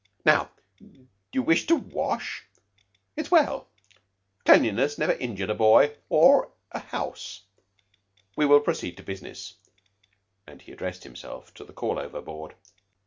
So now you wish to wash? It is well. Cleanliness never injured a boy or a house. We will proceed to business," and he addressed himself to the call over board.